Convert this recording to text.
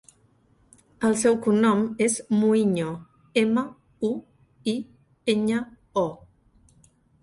El seu cognom és Muiño: ema, u, i, enya, o.